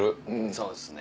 そうですね。